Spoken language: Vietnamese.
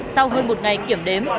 sau hơn một ngày kiểm đếm